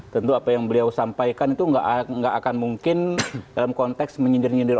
tentu apa yang beliau sampaikan itu tidak akan mungkin dalam konteks menyindir nyindir